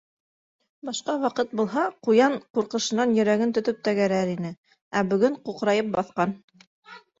Башҡа ваҡыт булһа, ҡуян ҡурҡышынан йөрәген тотоп тәгәрәр ине, ә бөгөн ҡуҡырайып баҫҡан.